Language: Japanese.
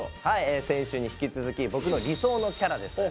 先週に引き続き「僕の理想のキャラ」です。